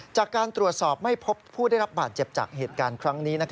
จากการตรวจสอบไม่พบผู้ได้รับบาดเจ็บจากเหตุการณ์ครั้งนี้